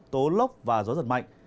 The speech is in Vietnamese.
tố lốc và gió giật mạnh